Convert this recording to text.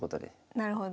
なるほど。